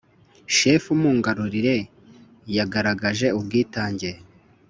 Shefu Mungarurire yagaragaje ubwitange